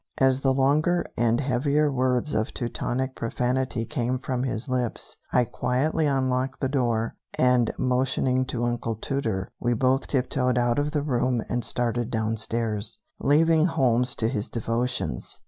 As the longer and heavier words of Teutonic profanity came from his lips, I quietly unlocked the door, and motioning to Uncle Tooter, we both tiptoed out of the room and started downstairs, leaving Holmes to his devotions.